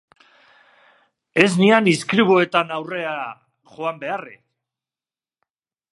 Ez nian izkribuetan aurrera joan beharrik!